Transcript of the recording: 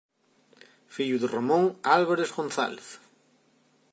Fillo de Ramón Álvarez González.